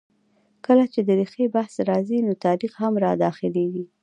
کله چې د ریښې بحث راځي؛ نو تاریخ هم را دا خلېږي.